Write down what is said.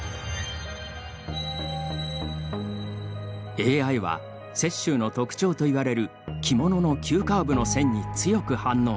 ＡＩは、雪舟の特徴といわれる着物の急カーブの線に強く反応。